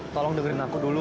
tolong dengerin aku dulu